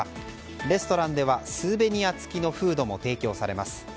レストランではスーベニア付きのフードも提供されます。